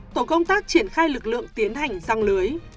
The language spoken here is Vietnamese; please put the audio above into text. tổ công tác triển khai lực lượng tiến hành răng lưới